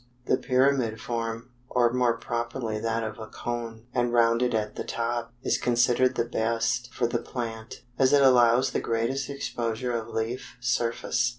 The pyramid form, or more properly that of a cone, and rounded at the top, is considered the best for the plant, as it allows the greatest exposure of leaf surface.